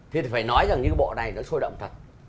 thì phải nói rằng những cái bộ này nó sôi động thật